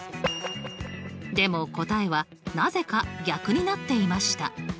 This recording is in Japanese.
でも答えはなぜか逆になっていました。